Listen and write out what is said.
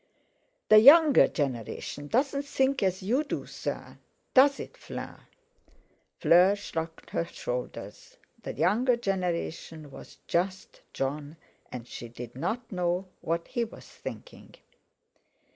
"The younger generation doesn't think as you do, sir; does it, Fleur?" Fleur shrugged her shoulders—the younger generation was just Jon, and she did not know what he was thinking.